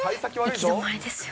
行き止まりですよ。